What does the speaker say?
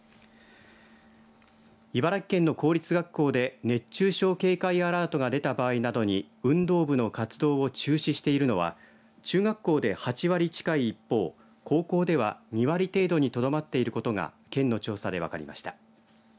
茨城県の公立学校で熱中症警戒アラートが出た場合などに運動部の活動を中止しているのは中学校で８割近い一方高校では２割程度にとどまっていることが県の調査で分かりました。